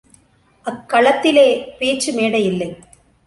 அக் களத்திலே பேச்சு மேடையில்லை.